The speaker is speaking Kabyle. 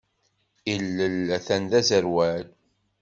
Ilel atan d aẓerwal.